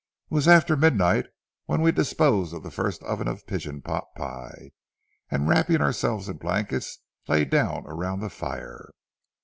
'" It was after midnight when we disposed of the first oven of pigeon pot pie, and, wrapping ourselves in blankets, lay down around the fire.